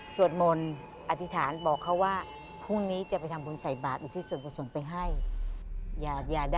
สวดมนต์อธิษฐานบอกเขาว่า